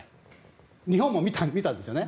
日本も見たんです。